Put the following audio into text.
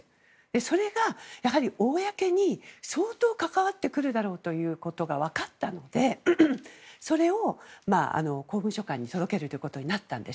それが公に相当関わってくるだろうということが分かったのでそれを公文書館に届けるということになったんです。